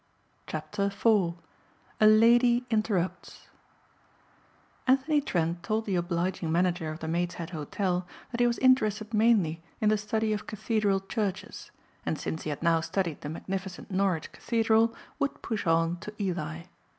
CHAPTER FOUR A LADY INTERRUPTS Anthony Trent told the obliging manager of the Maids' Head Hotel that he was interested mainly in the study of cathedral churches and since he had now studied the magnificent Norwich cathedral would push on to Ely.